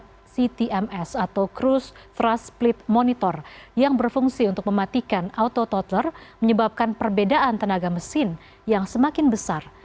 ini adalah keterlambatan ctms atau cruise thrust split monitor yang berfungsi untuk mematikan auto totler menyebabkan perbedaan tenaga mesin yang semakin besar